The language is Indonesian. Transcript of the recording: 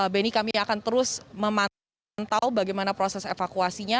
benny kami akan terus memantau bagaimana proses evakuasinya